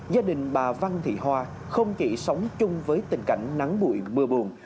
gia đình bà văn thị hoa không chỉ sống chung với tình cảnh nắng bụi mưa buồn